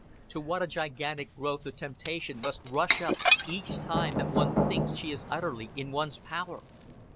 To what a gigantic growth the temptation must rush up each time that one thinks she is utterly in one's power!